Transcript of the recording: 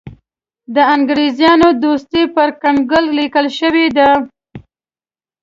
د انګرېزانو دوستي پر کنګل لیکل شوې ده.